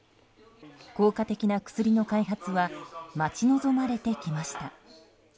効果的な薬の開発は待ち望まれてきました。